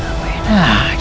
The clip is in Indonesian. gak apa apa enak